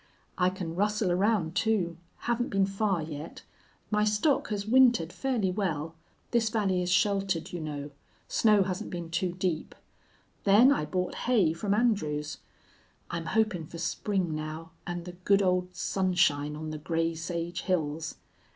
I can rustle around, too. Haven't been far yet. My stock has wintered fairly well. This valley is sheltered, you know. Snow hasn't been too deep. Then I bought hay from Andrews. I'm hoping for spring now, and the good old sunshine on the gray sage hills.